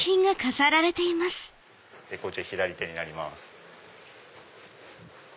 こっち左手になります。